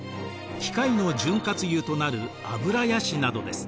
機械の潤滑油となるアブラヤシなどです。